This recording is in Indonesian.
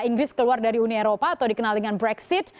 inggris keluar dari uni eropa atau dikenal dengan brexit